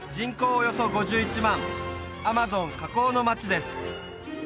およそ５１万アマゾン河口の街です